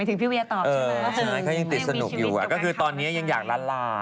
ใช่ไหมเค้ายังติดสนุกอยู่ก็คือตอนนี้ยังอยากลาลา